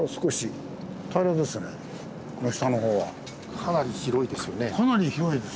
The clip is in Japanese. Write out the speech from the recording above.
かなり広いですよね。